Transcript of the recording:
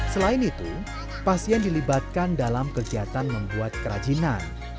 selain itu pasien dilibatkan dalam kegiatan membuat kerajinan